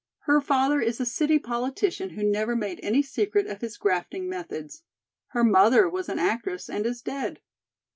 Her father is a city politician who never made any secret of his grafting methods. Her mother was an actress and is dead.